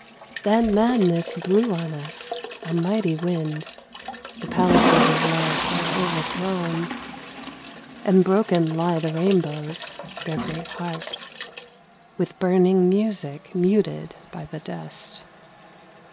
Then madness blew on us, a mighty wind : The palaces of light are overthrown And broken lie the rainbows their great harps, With burning music muted by the dust.